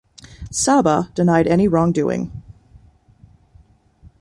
Sabbah denied any wrongdoing.